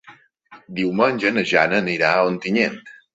Diumenge na Jana irà a Ontinyent.